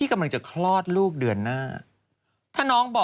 วันที่สุดท้าย